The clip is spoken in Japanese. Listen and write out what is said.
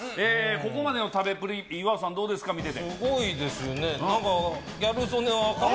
ここまでの食べっぷり、岩尾さん、どうですか、見てて。